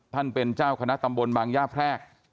ท่านเป็นเจ้าคณะตำบลบางย่าแพรก